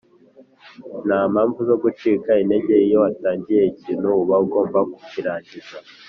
ntampamvu zo gucika intege iyo watangiye ikintu uba ugomba kukirangiza